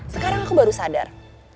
sekarang aku baru sadar